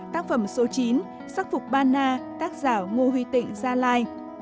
tác phẩm số chín sắc phục ban na tác giả ngô huy tịnh gia lai